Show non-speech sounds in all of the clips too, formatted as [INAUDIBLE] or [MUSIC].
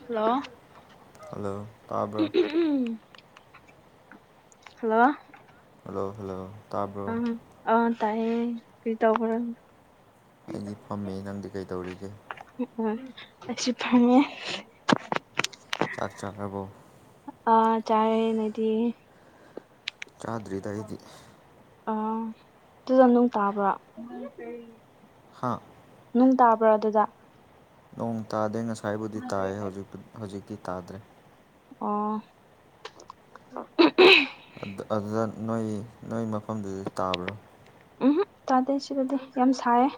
hello hello ꯇꯥꯕ꯭ꯔꯣ hello hello hello ꯇꯥꯕ꯭ꯔꯣ ꯑ ꯑ ꯇꯥꯏꯌꯦ ꯀꯩꯇꯧꯕꯔ ꯑꯩꯗꯤ ꯐꯝꯃꯤ ꯅꯪꯗꯤ ꯀꯩꯗꯧꯔꯤꯒꯦ ꯎ ꯎꯝ ꯑꯁꯨ ꯐꯥꯝꯃꯤ ꯆꯥꯛ ꯆꯥꯈꯔꯕꯣ ꯑ ꯆꯥꯔꯦ ꯅꯪꯗꯤ ꯆꯥꯗ꯭ꯔꯤꯗ ꯑꯩꯗꯤ ꯑ ꯑꯗꯨꯗ ꯅꯣꯡ ꯇꯥꯕ꯭ꯔꯥ ꯍꯥꯥ ꯅꯣꯡ ꯇꯥꯕ꯭ꯔꯣ ꯑꯗꯨꯗ ꯅꯣꯡ ꯇꯥꯗꯦ ꯉꯁꯥꯏꯕꯨꯗꯤ ꯇꯥꯏꯌꯦ ꯍꯧꯖꯤꯛꯇꯤ ꯇꯥꯗ꯭ꯔꯦ ꯑꯣ ꯑꯗꯨꯗ ꯅꯣꯏ ꯅꯣꯏ ꯃꯐꯝꯗꯨꯗ ꯇꯥꯕ꯭ꯔꯣ ꯎꯝꯍꯨꯛ ꯇꯥꯗꯦ ꯁꯤꯗꯗꯤ ꯌꯥꯝ ꯁꯥꯏꯌꯦ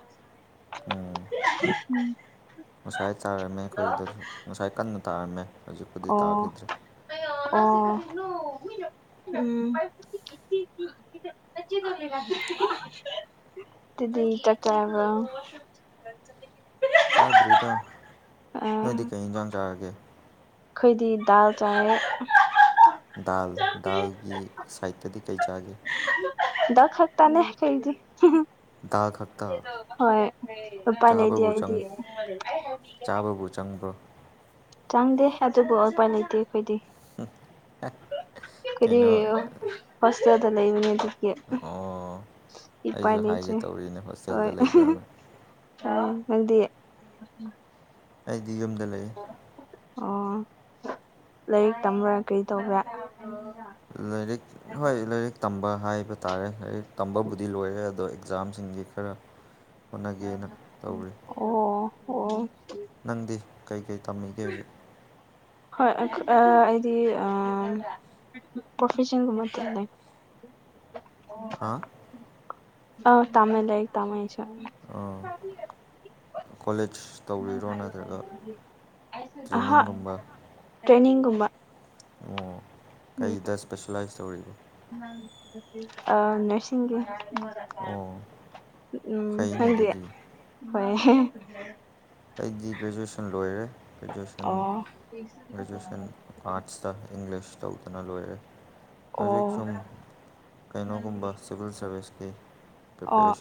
ꯎꯝ ꯉꯁꯥꯏ ꯇꯥꯔꯝꯃꯦ ꯑꯩꯈꯣꯏꯗꯁꯨ ꯉꯁꯥꯏ ꯀꯟꯅ ꯇꯥꯔꯝꯃꯦ ꯍꯧꯖꯤꯛꯄꯨꯗꯤ ꯑꯣ ꯇꯥꯈꯤꯗ꯭ꯔꯦ ꯑꯣ ꯎꯝ ꯍ ꯑꯗꯨꯗꯤ ꯆꯥꯛꯆꯔꯕꯣ ꯆꯥꯗ꯭ꯔꯤꯗ ꯅꯣꯏꯗꯤ ꯀꯩ ꯏꯟꯖꯥꯡ ꯆꯥꯔꯒꯦ ꯈꯣꯏꯗꯤ ꯗꯥꯜ ꯆꯥꯏꯌꯦ ꯗꯥꯜ ꯗꯥꯜꯒꯤ ꯁꯥꯏꯠꯇꯗꯤ ꯀꯩ ꯆꯥꯒꯦ ꯗꯥꯜ ꯈꯛꯇꯅꯦ ꯑꯩꯗꯤ ꯗꯥꯜ ꯈꯛꯇ ꯍꯣꯏ ꯎꯄꯥꯥꯏ ꯂꯩꯇꯦ ꯆꯥꯕꯕꯨ ꯆꯪ ꯑꯩꯗꯤ ꯆꯥꯕꯕꯨ ꯆꯪꯕ꯭ꯔꯣ ꯆꯪꯗꯦ ꯑꯗꯨꯕꯨ ꯎꯄꯥꯏ ꯂꯩꯇꯦ ꯑꯩꯈꯣꯏꯗꯤ ꯑꯩꯈꯣꯏꯗꯤ ꯀꯩꯅꯣ ꯍꯣꯁꯇꯦꯜꯗ ꯂꯩꯕꯅꯤꯅ ꯑꯣ ꯏꯄꯥꯏ ꯑꯩꯁꯨ ꯍꯥꯏꯒꯦ ꯂꯩꯇ꯭ꯔꯦ ꯇꯧꯔꯤꯅꯦ ꯍꯣꯏ ꯍꯣꯁꯇꯦꯜꯗ ꯂꯩꯕ꯭ꯔꯥꯅ ꯑ ꯅꯪꯗꯤ ꯑꯩꯗꯤ ꯌꯨꯝꯗ ꯂꯩꯌꯦ ꯑꯣ ꯂꯥꯏꯔꯤꯛ ꯇꯝꯕ꯭ꯔꯥ ꯀꯩ ꯇꯧꯕ꯭ꯔꯥ ꯑꯣ ꯂꯥꯏꯔꯤꯛ ꯍꯣꯏ ꯂꯥꯏꯔꯤꯛ ꯇꯝꯕ ꯍꯥꯏꯕ ꯇꯥꯔꯦ ꯂꯥꯏꯔꯤꯛ ꯇꯝꯕꯕꯨꯗꯤ ꯂꯣꯏꯔꯦ ꯑꯗꯣ ꯖꯥꯝꯁꯤꯡꯒꯤ ꯈꯔ ꯍꯣꯠꯅꯒꯦꯅ ꯇꯧꯔꯤ ꯑꯣ ꯑꯣ ꯅꯪꯗꯤ ꯀꯩꯀꯩ ꯇꯝꯃꯤꯒꯦ ꯍꯧꯖꯤꯛ ꯍꯣꯏ ꯑꯩꯗꯤ ꯑ ꯄ꯭ꯔꯣꯐꯦꯁꯟꯒꯨꯝꯕ ꯇꯂꯦ ꯍꯥ ꯑ ꯇꯃꯦ ꯂꯩ ꯇꯃꯦ ꯆ ꯑꯥ ꯀꫭꯂꯦꯖ ꯑꯍꯥ ꯇ꯭ꯔꯦꯅꯤꯡꯒꯨꯝꯕ ꯇ꯭ꯔꯦꯟꯅꯤꯡꯒꯨꯝꯕ ꯑꯣ ꯀꯩꯗ ꯁꯄꯦꯁꯦꯂꯥꯏꯁ ꯇꯧꯔꯤꯕ ꯑ ꯅꯔꯁꯤꯡꯒꯤ ꯑꯣ ꯎꯝ ꯐꯩꯅꯦ ꯅꯪꯗꯤ ꯑꯗꯨꯗꯤ ꯍꫭꯏ [UNINTELLIGIBLE] ꯑꯩꯗꯤ ꯒ꯭ꯔꯦꯖꯨꯑꯌꯦꯁꯟ ꯂꯣꯏꯔꯦ ꯒ꯭ꯔꯦꯖꯨꯑꯦꯁꯟ ꯑꯣ ꯒ꯭ꯔꯦꯖꯨꯑꯦꯁꯟ ꯑꯥꯔꯠꯁꯇ ꯏꯪꯂꯤꯁ ꯇꯧꯗꯅ ꯂꯣꯏꯔꯦ ꯍꯧꯖꯤꯛ ꯑꯣ ꯁꯨꯝ ꯀꯩꯅꯣꯒꯨꯝꯕ ꯁꯤꯚꯤꯜ ꯁꯔꯕꯤꯁꯀꯤ ꯑꯣ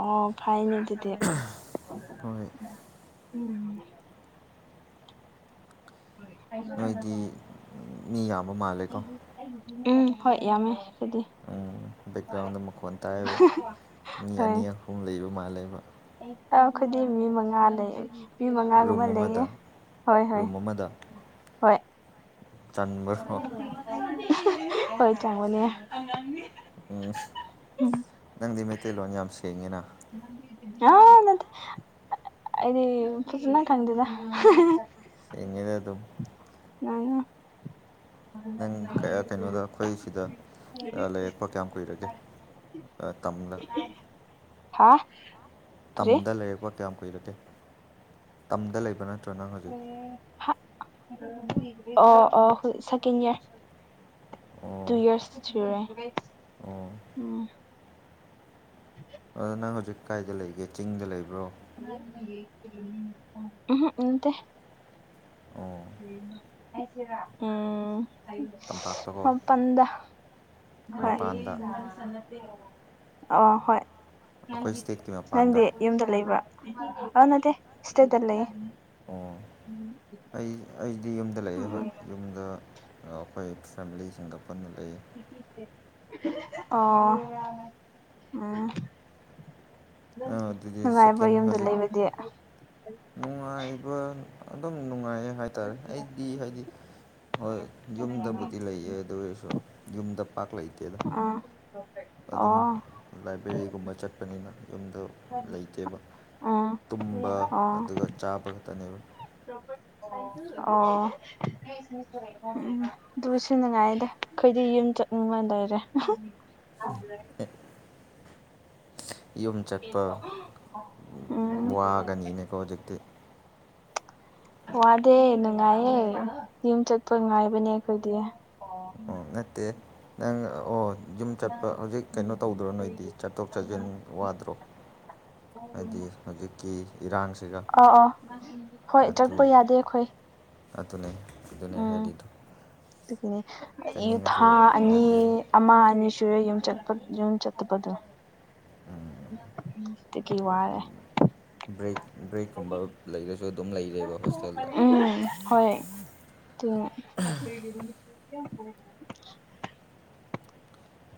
ꯑꯣ ꯐꯥꯏꯅꯦ ꯑꯗꯨꯗꯤ ꯍꯣꯏ ꯎꯝ ꯍꯣꯏ ꯅꯣꯏꯗꯤ ꯃꯤ ꯌꯥꯝꯕ ꯃꯥꯜꯂꯦꯀꯣ ꯎꯝ ꯍꯣꯏ ꯌꯥꯝꯃꯦ ꯑꯈꫭꯏꯗꯤ ꯎꯝ ꯕꯦꯛꯒ꯭ꯔꯥꯎꯟꯗ ꯃꯈꯣꯟ ꯇꯥꯏꯌꯦꯕ ꯃꯤ ꯑꯅꯤ ꯑꯍꯨꯝ ꯂꯩꯕ ꯃꯥꯜꯂꯦꯕ ꯑꯥ ꯑꯈꫭꯏꯗꯤ ꯃꯤ ꯃꯉꯥ ꯂꯩ ꯃꯤ ꯃꯉꯥꯒꯨꯝꯕ ꯔꯨꯝ ꯂꯩꯌꯦ ꯑꯃꯗ ꯍꯣꯏ ꯍꯣꯏ ꯍꯣꯏ ꯆꯟꯕ꯭ꯔꫭ ꯍꯣꯏ ꯆꯪꯕꯅꯦ ꯏꯁ ꯅꯪꯗꯤ ꯃꯩꯇꯩꯂꯣꯟ ꯌꯥꯝ ꯁꯦꯡꯉꯤꯅ ꯑ ꯥꯅꯠꯇꯦ ꯑꯩꯗꯤ ꯐꯖꯅ ꯈꯪꯗ‌ꯦꯗ ꯍꯤꯡꯉꯤꯗ [UNINTELLIGIBLE] ꯑꯗꯨꯝ [UNINTELLIGIBLE] ꯅꯪ ꯀꯩꯅꯣꯗ ꯑꯩꯈꯣꯏ ꯁꯤꯗ ꯂꯩꯔꯛꯄ ꯀꯌꯥꯝ ꯀꯨꯏꯔꯒꯦ ꯇꯝꯗ ꯍꯥꯥ ꯇꯝꯗ ꯂꯩꯔꯛꯄ ꯀꯌꯥꯝ ꯀꯨꯏꯔꯒꯦ ꯇꯝꯗ ꯂꯩꯕ ꯅꯠꯇ꯭ꯔꯥ ꯅꯪ ꯍꯧꯖꯤꯛ ꯍꯥ ꯑꯣ ꯑꯣ ꯁꯦꯀꯦꯟ ꯏꯌꯥꯔ ꯇꯨ ꯑꯣ ꯏꯌꯔꯁꯁꯨꯨꯔꯦ ꯑꯣ ꯎꯝ ꯑꯗꯨ ꯅꯪ ꯍꯧꯖꯤꯛ ꯀꯥꯏꯗ ꯂꯩꯒꯦ ꯆꯤꯡꯗ ꯂꯩꯕ꯭ꯔꯣ ꯎꯪꯍꯨꯛ ꯅꯠꯇ‌ꯦ ꯑꯣ ꯎꯝ ꯇꯝꯄꯥꯛꯇꯀꯣ ꯃꯄꯥꯟꯗ ꯍꫭꯏ ꯃꯄꯥꯟꯗ ꯑꫭ ꯑꯩꯈꯣꯏ ꯍꫭꯏ ꯏꯁꯇꯦꯠꯀꯤ ꯃꯄꯥꯟꯗ ꯅꯪꯗꯤ ꯌꯨꯝꯗ ꯂꯩꯕꯔꯥ ꯑꯥ ꯅꯠꯇꯦ ꯁꯗꯩꯇ ꯂꯩꯌꯦ ꯑꯣ ꯑꯩ ꯑꯩꯗꯤ ꯌꯨꯝꯗ ꯂꯩꯌꯦ ꯍꯣꯏ ꯎꯝ ꯌꯨꯝꯗ ꯑꯩꯈꯣꯏ ꯐꯦꯃꯤꯂꯤꯁꯤꯡꯒ ꯄꯨꯟꯅ ꯂꯩꯌꯦ ꯑꯣ ꯎꯝ ꯑꯥ, ꯑꯗꯨꯗꯤ ꯅꯨꯡꯉꯥꯏꯕ꯭ꯔꯣ ꯁꯦꯀꯦꯟ ꯌꯨꯝꯗ ꯍꯧꯖꯤꯛ ꯂꯩꯕꯗꯤ ꯅꯨꯡꯉꯥꯏꯕ ꯑꯗꯨꯝ ꯅꯨꯡꯉꯥꯏꯌ‌ꯦ ꯍꯥꯏꯇꯥꯔꯦ ꯑꯩ ꯗꯤ ꯍꯥꯏꯗꯤ ꯍꯣꯏ ꯌꯨꯝꯗꯕꯨꯗꯤ ꯂꯩꯌꯦ ꯑꯗꯨ ꯑꯣꯏꯔꯁꯨ ꯌꯨꯝꯗ ꯄꯥꯛ ꯂꯩꯇꯦꯗ ꯑꯗꯨꯝ ꯑꯣ ꯂꯥꯏꯕ꯭ꯔꯦꯔꯤꯒꯨꯝꯕ ꯆꯠꯄꯅꯤꯅ ꯌꯨꯝꯗ ꯂꯩꯇꯦꯕ ꯎꯝ ꯇꯨꯝꯕ ꯑꯣ ꯑꯗꯨꯒ ꯆꯥꯕ ꯈꯛꯇꯅꯦꯕ ꯑꯣ ꯎꯝ ꯑꯗꯨ ꯁꯤꯟꯅꯉꯥꯏꯗ ꯑꯩꯈꯣꯏꯗꯤ ꯌꯨꯝ ꯆꯠꯅꯤꯡꯕꯅ ꯂꯩ [UNINTELLIGIBLE] ꯌꯨꯝ ꯆꯠꯄ ꯎꯝ ꯋꯥꯒꯅꯤꯅꯦꯀꯣ ꯍꯧꯖꯤꯛꯇꯤ ꯋꯥꯗꯦ ꯅꯨꯡꯉꯥꯏꯌꯦ ꯌꯨꯝ ꯆꯠꯄ ꯅꯨꯡꯉꯥꯏꯕꯅꯦ ꯑꯩꯈꯣꯏꯗꯤ ꯑꯣ ꯅꯠꯇꯦ ꯅꯪ ꯑꯣ ꯌꯨꯝ ꯆꯠꯄ ꯍꯧꯖꯤꯛ ꯀꯩꯅꯣ ꯇꯧꯗ꯭ꯔꯣ ꯅꯣꯏꯗꯤ ꯆꯠꯊꯣꯛ ꯆꯠꯁꯤꯟ ꯋꯥꯗ꯭ꯔꯣ ꯍꯥꯏꯗꯤ ꯍꯧꯖꯤꯛꯀꯤ ꯏꯔꯥꯡꯁꯤꯒ ꯑ ꯑ ꯍꯣꯏ ꯑꯗꯨ ꯆꯠꯄ ꯌꯥꯗꯦ ꯑꯩꯈꯣꯏ ꯑꯗꯨꯅꯦ ꯑꯗꯨꯅꯦ ꯍꯥꯏꯔꯤꯗꯣ ꯏ ꯆꯠꯅꯤꯡꯉꯁꯨ ꯊꯥ ꯑꯅꯤ ꯌꯥꯗꯦꯕ ꯑꯃ ꯑꯅꯤ ꯁꯨꯔꯦ ꯌꯨꯝꯠꯄ ꯌꯨꯝ ꯆꯠꯇꯕꯗꯣ ꯇ ꯀ ꯋꯥꯔ ꯑꯦ ꯕ꯭ꯔꯦꯛ ꯕ꯭ꯔꯦꯛꯀꯨꯝꯕ ꯂꯩꯔꯁꯨ ꯑꯗꯨꯝ ꯂꯩꯔꯦꯕ ꯍꯣꯁꯇꯦꯜꯗ ꯎꯝ ꯍꯣꯏ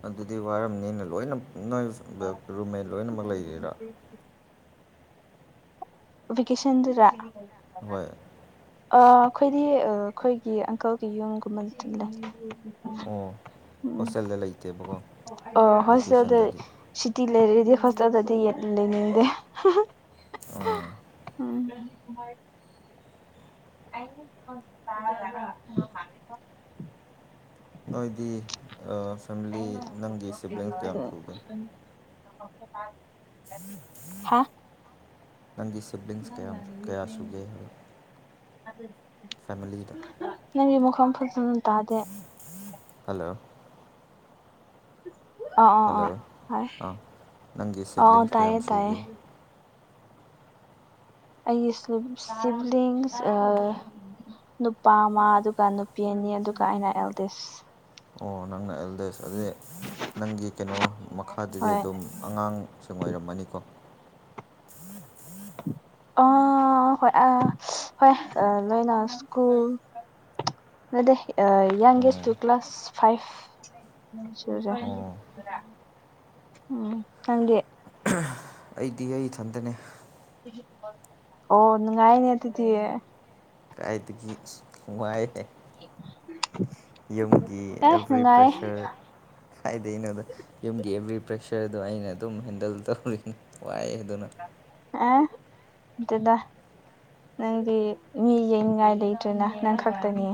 ꯑꯗꯨꯗꯤ ꯋꯥꯔꯝꯅꯤꯅ ꯂꯣꯏꯅꯃꯛ ꯅꯣꯏ ꯔꯨꯝꯃꯦꯠ ꯂꯣꯏꯅꯃꯛ ꯂꯩꯔꯤꯔꯥ ꯕꯦꯀꯦꯁꯟꯗꯔꯥ ꯍꯣꯏ ꯑ ꯑꯩꯈꯣꯏꯗꯤ ꯑꯩꯈꯣꯏꯒꯤ ꯑꯪꯀꯜꯒꯤ ꯌꯨꯝꯒꯨꯝꯕ ꯂꯩ ꯑꯣ ꯍꯣꯁꯇꯦꯜꯗ ꯂꯩꯇꯦꯕꯀꯣ ꯑꯣ ꯍꯣꯁꯄꯤꯇꯥꯜꯗ ꯚꯦꯀꯦꯁꯟꯗꯗꯤ ꯁꯤꯇꯤ ꯂꯩꯔꯗꯤ ꯍꯣꯁꯄꯤꯇꯥꯜꯗꯗꯤ ꯌꯦ ꯂꯩꯅꯤꯡꯗꯦ ꯑꯥ ꯎꯝ [UNINTELLIGIBLE] [UNINTELLIGIBLE] ꯅꯣꯏꯗꯤ ꯐꯦꯃꯤꯂꯤ ꯅꯪꯒꯤ ꯁꯤꯕ꯭ꯂꯤꯡꯁ ꯀꯌꯥꯝ ꯊꯨꯒꯦ ꯍꯥꯥ ꯅꯪꯒꯤ ꯁꯤꯕꯂꯤꯡꯁ ꯀꯌꯥ ꯀꯌꯥ ꯁꯨꯒꯦ ꯍꯥꯏ ꯅꯪꯒꯤ ꯃꯐꯝ ꯐꯖꯅ ꯇꯥꯗꯦ ꯍꯜꯂꯣ ꯑ ꯑꯣ ꯑ ꯍꯜꯂꯣ ꯍ ꯑꯥ ꯅꯪꯒꯤ ꯑ ꯑꯣ ꯁꯤꯕ꯭ꯂꯤꯡꯁ ꯇꯥꯏꯌꯦ ꯀꯌꯥꯝ ꯇꯥꯏꯌꯦ ꯁꯨꯒꯦ ꯑꯩ ꯁꯤꯕꯂꯤꯡꯁ ꯅꯨꯄꯥ ꯑꯃ ꯑꯗꯨꯒ ꯅꯨꯄꯤ ꯑꯅꯤ ꯑꯗꯨꯒ ꯑꯩꯅ ꯑꯦꯜꯗꯤꯁ ꯑꯣ ꯅꯪꯅ ꯑꯦꯜꯗꯦꯁ ꯑꯗꯨꯗꯤ ꯅꯪꯒꯤ ꯀꯩꯅꯣ ꯃꯈꯥꯗꯗꯤ ꯍꯣꯏ ꯑꯗꯨꯝ ꯑꯉꯥꯡꯁꯤꯡ ꯑꯣꯏꯔꯝꯃꯅꯤꯀꯣ ꯑ ꯍ ꯑ ꯍꯣꯏ ꯑ ꯂꯣꯏ ꯅ ꯁ꯭ꯀꯨꯜ ꯑꯗꯦ ꯌꯥꯦꯁ ꯇꯨ ꯀ꯭ꯂꯥꯁ ꯐꯥꯏꯚ ꯁꯤ ꯑꯣ ꯎꯝ ꯈꯪꯗꯦ ꯑꯩꯗꯤ ꯑꯩꯊꯟꯗꯅꯦ ꯑꯣ ꯅꯨꯡꯉꯥꯏꯅꯦ ꯑꯗꯨꯗꯤ ꯀꯥꯏꯗꯒꯤ ꯍꯏꯦ ꯌꯨꯝꯒꯤ ꯑꯦ ꯑꯦꯕ꯭ꯔꯤ ꯅꯨꯡꯉꯥꯏ ꯄ꯭ꯔꯦꯁꯔ ꯍꯥꯏꯗꯩꯅꯣꯗ ꯌꯨꯝꯒꯤ ꯑꯦꯕ꯭ꯔꯤ ꯄ꯭ꯔꯦꯁꯔꯗꯣ ꯑꯩꯅ ꯑꯗꯨꯝ ꯍꯦꯟꯗꯜ ꯇꯧꯔꯤ ꯋꯥꯏꯑ ꯑꯗꯨꯅ ꯑꯦ ꯑꯗꯨꯗ ꯅꯪꯗꯤ ꯃꯤ ꯌꯡꯅꯤꯡꯉꯥꯏ ꯂꯩꯇ꯭ꯔꯦꯅ ꯅꯪ ꯈꯛꯇꯅꯤ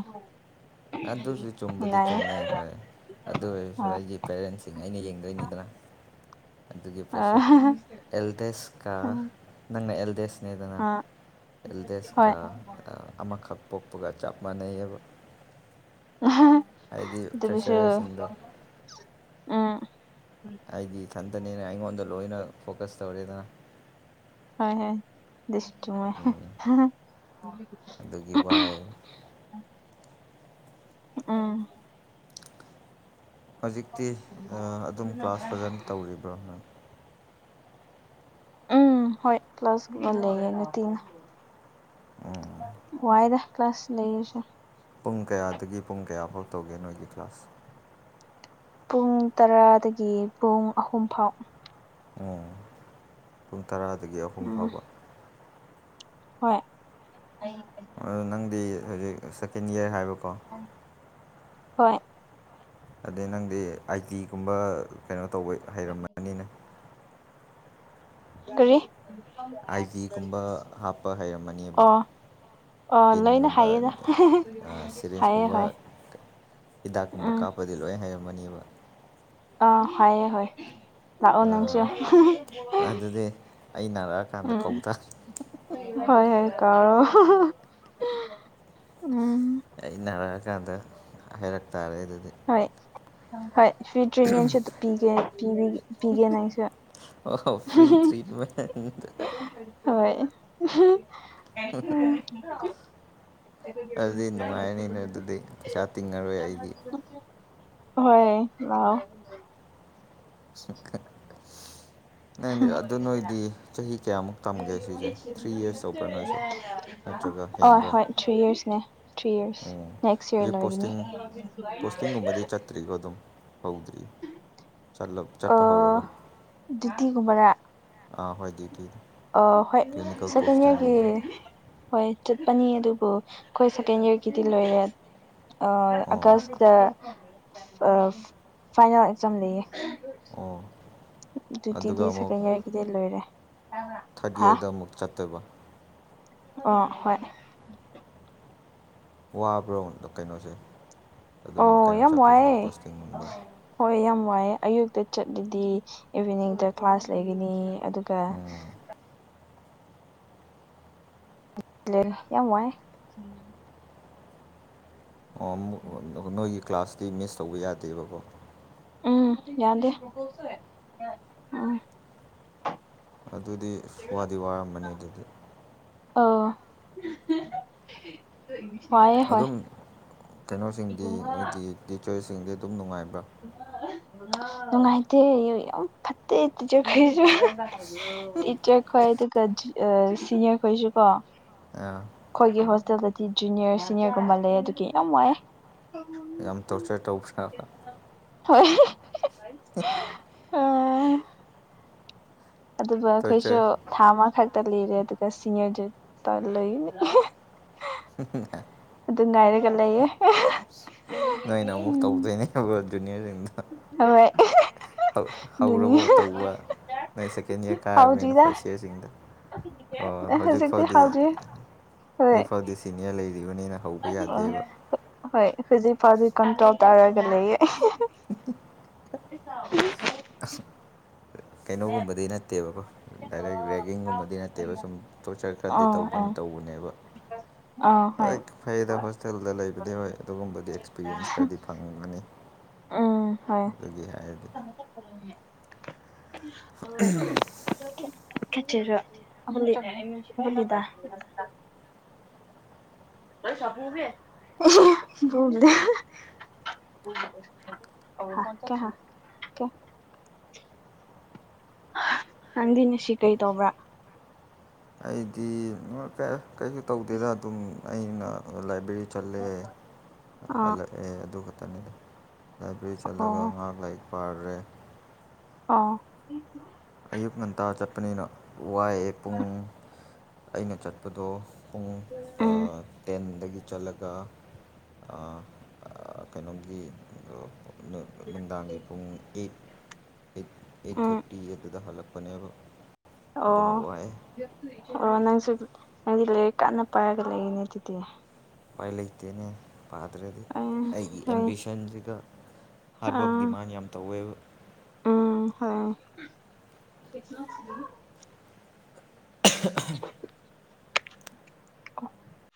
ꯑꯗꯨꯁꯨ ꯆꯨꯝꯕꯗꯤ ꯅꯨꯡꯉꯥꯏꯌꯦ ꯆꯨꯝꯃꯦ ꯍꯣꯏ ꯑꯗꯨ ꯑꯣꯏꯔꯁꯨ ꯍꯣꯏ ꯑꯩꯒꯤ ꯄꯦꯔꯦꯟꯁꯤꯡ ꯑꯩꯅ ꯌꯦꯡꯗꯣꯏꯅꯤꯗꯅ ꯑꯗꯨꯒꯤ ꯑꯥ ꯄ꯭ꯔꯦꯁꯔ ꯑꯦꯜꯗꯦꯁꯀ ꯅꯪꯅ ꯑꯦꯜꯗꯦꯁ ꯅꯦꯗꯅ ꯑꯥ ꯍꯣꯏ ꯑꯦꯜꯗꯦꯁꯀ ꯑꯃꯈꯛ ꯄꯣꯛꯄꯒ ꯆꯞ ꯃꯥꯟꯅꯩꯑꯕ ꯇ ꯄꯁ ꯄ꯭ꯔꯦꯁꯔꯁꯤꯡꯗꯣ ꯎꯝ ꯑꯩꯗꯤ ꯏꯊꯟꯇꯅꯦꯅ ꯑꯩꯉꯣꯟꯗ ꯂꯣꯏꯅ ꯐꯣꯀꯁ ꯇꯧꯔꯦꯗꯅ ꯍꯣꯏ ꯍꯣꯏꯁ ꯎꯝ ꯑꯗꯨꯒꯤ ꯋꯥꯏ ꯎꯝ ꯍꯧꯖꯤꯛꯇꯤ ꯑꯗꯨꯝ ꯀ꯭ꯂꯥꯁ ꯐꯖꯅ ꯇꯧꯔꯤꯕ꯭ꯔꯣ ꯎꯝ ꯍꯣꯏ ꯄ꯭ꯂꯁꯨꯝꯕ ꯂꯩꯌꯦ ꯅꯨꯡꯇꯤꯅ ꯋꯥꯏꯗ ꯀ꯭ꯂꯥꯁ ꯂꯩꯁꯦ ꯄꯨꯡ ꯀꯌꯥꯗꯒꯤ ꯄꯨꯡ ꯀꯌꯥꯐꯧ ꯇꯧꯒꯦ ꯅꯣꯏꯒꯤ ꯀ꯭ꯂꯥꯁ ꯄꯨꯡ ꯇꯔꯥꯗꯒꯤ ꯄꯨꯡ ꯑꯍꯨꯝ ꯐꯥꯎ ꯑꯣ ꯄꯨꯡ ꯇꯔꯥꯗꯒꯤ ꯑꯍꯨꯝ ꯎꯝ ꯐꯥꯎꯕ ꯍꯣꯏ ꯑ ꯅꯪꯗꯤ ꯍꯧꯖꯤꯛ ꯁꯦꯀꯦꯟ ꯌꯌꯥꯔ ꯍꯥꯏꯕꯀꯣ ꯍꯣꯏ ꯑꯗꯩ ꯅꯪꯗꯤ ꯑꯥꯏꯇꯤꯒꯨꯝꯕ ꯀꯩꯅꯣ ꯇꯧꯕ ꯍꯩꯔꯝꯃꯅꯤꯅꯦ ꯀꯔꯤ ꯑꯥꯏ ꯖꯤꯒꯨꯝꯕ ꯍꯥꯞꯄ ꯍꯩꯔꯝꯃꯅꯦꯕ ꯑꯣ ꯑꯣ ꯂꯣꯏꯅ ꯄꯤꯟꯒꯨꯝꯕ ꯍꯥꯏꯌꯦꯗ ꯍꯥꯏꯌꯦ ꯁꯔꯤꯁꯀꯨꯝꯕ ꯍꯣꯏ ꯍꯤꯗꯥꯛꯀꯨꯝꯕ ꯎꯝ ꯀꯥꯞꯄꯗꯤ ꯂꯣꯏ ꯍꯩꯔꯝꯃꯅꯦꯕ ꯑ ꯍꯌꯦ ꯍ ꯂꯥꯛꯑꯣ ꯅꯪꯁꯨ ꯑꯗꯨꯗꯤ ꯑꯩ ꯅꯥꯔꯛꯑꯀꯥꯟꯗ ꯎꯝ ꯀꯧ ꯇꯥꯔꯦ ꯍ ꯍ ꯀꯥꯔꯣ ꯎꯝ ꯑ ꯅꯥꯔꯛꯑꯀꯥꯟꯗ ꯍꯥꯏꯩꯔꯛ ꯇꯥꯔꯦ ꯑꯗꯨꯗꯤ ꯍꯣꯏ ꯍꯣꯏ ꯐ꯭ꯔꯤ ꯇ꯭ꯔꯤꯠꯃꯦꯟꯁꯨ ꯄꯤꯒꯦ ꯄꯤꯒꯦꯅ ꯑꯩꯁꯨ ꯑꯣ ꯐ꯭ꯔꯤ ꯇ꯭ꯔꯤꯠꯦꯟ ꯍꯣꯏ ꯑꯗꯨꯗꯤ ꯅꯨꯡꯉꯥꯏꯔꯅꯤꯅꯦ ꯑꯗꯨꯗꯤ ꯄꯩꯁꯥ ꯇꯤꯡꯉꯔꯣꯏ ꯑꯩꯗꯤ ꯍꯣꯏ ꯂꯥꯎ [UNINTELLIGIBLE] ꯅꯪꯗꯤ ꯑꯗꯨ ꯅꯣꯏꯗꯤ ꯆꯍꯤ ꯀꯌꯥꯃꯨꯛ ꯇꯝꯒꯦ ꯁꯤꯁꯦ ꯊ꯭ꯔꯤ ꯌꯔꯁ ꯇꯧꯕ꯭ꯔꯥ ꯅꯣꯏꯁꯨ ꯅꯠꯇ꯭ꯔꯒ ꯑ ꯍꯦꯟꯕ꯭ꯔ ꯍꯣꯏ ꯊ꯭ꯔꯤ ꯏꯔꯁꯅꯦ ꯊ꯭ꯔꯤ ꯏꯔꯁ ꯅꯦꯛꯁ ꯏꯔ ꯍꯧꯖꯤꯛ ꯂꯣꯏꯒꯅꯤ ꯐꯠꯇ꯭ꯔꯤꯒ ꯑꯗꯨꯝ ꯍꯧꯧꯗ꯭ꯔꯤ ꯆꯠꯄ ꯍꯧꯔꯕ ꯗ꯭ꯌꯨꯇꯤꯒꯨꯝꯕꯔ ꯑꯥ ꯍꯣꯏꯗꯤꯗꯤ ꯍꯣꯏ ꯁꯦꯀꯦꯟ ꯏꯌꯥꯔꯒꯤ ꯍꯣꯏ ꯆꯠꯄꯅꯤ ꯑꯗꯨꯕꯨ ꯑꯩꯈꯣꯏ ꯁꯦꯀꯦꯟ ꯌꯌꯥꯔꯒꯤꯗꯤ ꯂꯣꯏꯔꯦ ꯑꯣ ꯑꯥꯒꯁ ꯗ ꯐꯥꯏꯅꯦꯜ ꯑꯦꯛꯖꯥꯝ ꯂꯩꯌꯦ ꯑꯣꯥ ꯇꯤꯗꯤ ꯁꯥꯒꯩ ꯌꯥꯏꯒꯤꯗꯤ ꯂꯣꯏꯔꯦ ꯊꯥꯔꯠ ꯍꯥ ꯏꯌꯥꯔꯗ ꯑꯃꯨꯛ ꯆꯠꯇꯣꯏꯕ ꯑ ꯍꯣꯏ ꯋꯥꯕ꯭ꯔꯣꯗ ꯀꯩꯅꯣꯁꯦ ꯑꯗꯨꯝ ꯑꯣ ꯀꯩꯅꯣ ꯌꯥꯝ ꯆꯠꯄꯁꯦ ꯋꯥꯏꯑꯦ ꯄꯣꯁꯇꯤꯡꯒꯨꯝꯕ ꯍꯣꯏ ꯌꯥꯝ ꯋꯥꯏꯑꯦ ꯑꯌꯨꯛꯇ ꯆꯠꯂꯗꯤ ꯏꯚꯤꯅꯤꯡꯗ ꯀ꯭ꯂꯥꯁ ꯂꯩꯒꯅꯤ ꯑꯗꯨꯒ ꯎꯝ ꯌꯥꯝ ꯋꯥꯏ ꯑꯣ ꯅꯣꯏꯒꯤ ꯀ꯭ꯂꯥꯁꯇꯤ ꯃꯤꯁ ꯇꯧꯕ ꯌꯥꯗꯦꯕꯀꯣ ꯎꯝ ꯌꯥꯗꯦ ꯎꯝ ꯑꯗꯨꯗꯤ ꯋꯥꯗꯤ ꯋꯥꯔꯝꯕꯅꯤ ꯑꯗꯨꯗꯤ ꯑ ꯍ ꯑꯗꯨꯝ ꯀꯩꯅꯣꯁꯤꯡꯗꯤ ꯅꯣꯏꯒꯤ ꯇꯤꯆꯔꯁꯤꯡꯗꯤ ꯑꯗꯨꯝ ꯅꯨꯡꯉꯥꯏꯕ꯭ꯔ ꯅꯨꯡꯉꯥꯏꯇꯦ ꯌꯥꯝ ꯐꯠꯇꯦ ꯇꯤꯖꯈꯩꯁꯨ ꯇꯤꯆꯔ ꯈꯣꯏ ꯑꯗꯨꯒ ꯁꯤꯅꯤꯌꯔ ꯈꯣꯏꯁꯨ ꯀꯣ ꯑ ꯑꯩꯈꯣꯏꯒꯤ ꯍꯣꯁꯇꯦꯜꯗꯗꯤ ꯖꯨꯅꯤꯌꯔ ꯁꯤꯅꯤꯌꯔꯒꯨꯝꯕ ꯂꯩ ꯑꯗꯨꯒꯤ ꯌꯥꯝ ꯋꯥꯏꯦ ꯌꯥꯝ ꯇꯣꯔꯆꯔ ꯇꯧꯈ꯭ꯔꯕ ꯍꯣꯏ ꯍꯠ ꯑꯗꯨꯒ ꯑꯩꯈꯣꯏꯁꯨ ꯇꯣꯔꯆꯔ ꯊꯥ ꯑꯃꯈꯛꯇ ꯂꯩꯔꯦ ꯑꯗꯨꯒ ꯁꯤꯅꯤꯌꯔꯁꯨ ꯂꯩꯅꯤ ꯍ ꯍ ꯍ ꯑꯗꯨ ꯉꯥꯏꯔꯒ ꯂꯩꯌꯦ ꯅꯣꯏꯅ ꯑꯃꯨꯛ ꯇꯧꯗꯣꯏꯅꯦꯕ ꯑꯗꯨꯗꯨꯅꯤꯌꯥꯁꯤꯡꯗ ꯍꯣꯏ ꯑꯗꯨꯅꯤ ꯍꯧꯔꯕꯣ ꯇꯧꯕ ꯅꯣꯏ ꯁꯦꯀꯦꯟ ꯏꯌꯥꯔ ꯀꯥꯔꯕꯕꯅꯤꯅ ꯍꯥꯎꯗ꯭ꯔꯤꯗ ꯐꯥꯔꯁ ꯏꯌꯥꯔꯁꯤꯡꯗ ꯑꯣ ꯍꯧꯖꯤꯛ ꯍꯧꯖꯤꯛꯇꯤ ꯐꯥꯎꯗꯤ ꯍꯥꯎꯗ꯭ꯔꯤ ꯍꯧꯖꯤꯛ ꯐꯥꯎꯗꯤ ꯁꯤꯅꯤꯌꯔ ꯂꯩꯔꯤꯕꯅꯤꯅ ꯍꯧꯕ ꯌꯥꯗꯦꯕ ꯑꯣ ꯍꯣꯏ ꯍꯧꯖꯤꯛ ꯐꯖꯤꯛ ꯀꯟꯇ꯭ꯔꯣꯜ ꯇꯥꯔꯒ ꯂꯩꯌꯦ ꯍ [UNINTELLIGIBLE] ꯆꯥꯎ [UNINTELLIGIBLE] ꯑ ꯀꯩꯅꯣꯒꯨꯝꯕꯗꯤ ꯅꯠꯇꯦꯕꯀꯣ ꯗꯥꯏꯔꯦꯛ ꯔꯦꯒꯤꯡꯒꯨꯝꯕꯗꯤ ꯅꯠꯇꯦꯕ ꯁꯨꯝ ꯇꯣꯔꯆꯔ ꯑ ꯈꯔꯗꯤ ꯇꯧꯕ ꯑ ꯇꯧꯕꯅꯦꯕ ꯍꯣꯏ ꯐꯩꯗ ꯍꯣꯁꯇꯦꯜꯗ ꯂꯩꯕꯗꯤ ꯍꯣꯏ ꯑꯗꯨꯒꯨꯝꯕꯒꯤ ꯑꯦꯛꯁꯄꯤꯔꯤꯟꯁ ꯈꯔꯗꯤ ꯐꯪꯒꯅꯤ ꯎꯝ ꯑꯗꯨꯒꯤ ꯍꯥꯏꯔꯗꯤ ꯀꯦꯆꯦꯔꯗ [UNINTELLIGIBLE] ꯗ [UNINTELLIGIBLE] ꯑ ꯀ [UNINTELLIGIBLE] ꯅꯪꯗꯤ ꯅ ꯁꯤ ꯀꯩ ꯇꯧꯕ꯭ꯔꯥ ꯑꯩꯗꯤ ꯀꯩꯁꯨ ꯇꯧꯗꯦꯗ ꯑꯗꯨꯝ ꯑꯩꯅ ꯂꯥꯏꯕ꯭ꯔꯦꯔꯤ ꯆꯠꯂꯛꯑꯦ ꯑꯥ ꯍꯜꯂꯛꯑꯦ ꯑꯗꯨ ꯈꯛꯇꯅꯤꯗ ꯂꯥꯏꯕ꯭ꯔꯦꯔꯤ ꯆꯠꯂꯒ ꯑꯣ ꯉꯥꯏꯍꯥꯛ ꯂꯥꯏꯛ ꯄꯔꯦ ꯑꯥ ꯑꯌꯨꯛ ꯉꯟꯇꯥ ꯆꯠꯄꯅꯤꯅ ꯋꯥꯏ ꯄꯨꯡ ꯑꯩꯅ ꯆꯠꯄꯗꯣ ꯄꯨꯡ ꯎꯝ ꯇꯦꯟꯗꯒꯤ ꯆꯠꯂꯒ ꯀꯩꯅꯣꯒꯤ ꯅꯨꯡꯗꯥꯡꯒꯤ ꯄꯨꯡ eight eight eight um thirty eight ꯑꯗꯨꯗ ꯍꯜꯂꯛꯄꯅꯦꯕ ꯑꯣ ꯋꯥꯏꯑꯦ ꯑꯣ ꯅꯪꯁꯨ ꯅꯪꯗꯤ ꯂꯩ ꯀꯥꯟꯟꯅ ꯄꯥꯏꯔꯒ ꯂꯩꯏꯅꯦ ꯑꯗꯨꯗꯤ ꯎꯄꯥꯏ ꯂꯩꯇꯦꯅꯦ ꯄꯥꯗ꯭ꯔꯗꯤ ꯎꯝ ꯑꯩꯒꯤ ꯍꯣꯏ ꯑꯦꯝꯕꯤꯁꯟꯁꯤꯒ ꯍꯥꯔꯠꯋꯥꯔꯛ ꯑꯥ ꯗꯤꯃꯥꯟ ꯌꯥꯝ ꯇꯧꯋꯦꯕ ꯎꯝ ꯍꯣꯏ [UNINTELLIGIBLE]